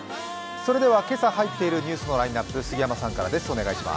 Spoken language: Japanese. それでは今朝入っているニュースのライナップです。